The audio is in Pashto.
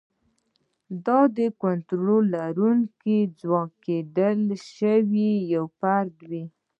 دا کنټرولونکی ځواک کېدای شي یو فرد وي.